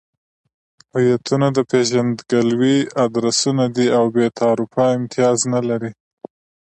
هویتونه د پېژندګلوۍ ادرسونه دي او بې تعارفه امتیاز نلري.